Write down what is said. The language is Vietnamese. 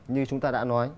như chúng ta đã nói